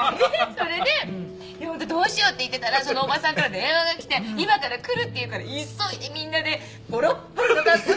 それで「どうしよう？」って言ってたらそのおばさんから電話がきて「今から来る」って言うから急いでみんなでぼろっぼろの格好して。